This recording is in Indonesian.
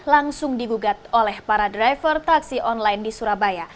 langsung digugat oleh para driver taksi online di surabaya